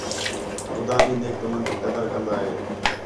خُدا بھی نیک تُمن تی قدر کَن٘دا ہے